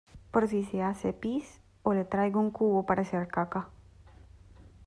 por si se hace pis o le traigo un cubo para hacer caca?